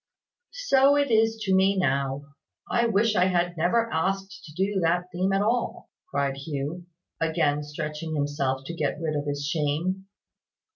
"So it is to me now. I wish I had never asked to do that theme at all," cried Hugh, again stretching himself to get rid of his shame.